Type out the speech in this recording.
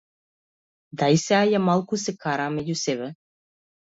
Дај сеа ја малку, се караа меѓу себе.